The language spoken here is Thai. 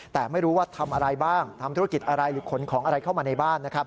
แต่ไม่รู้ว่าทำอะไรบ้างทำธุรกิจอะไรหรือขนของอะไรเข้ามาในบ้านนะครับ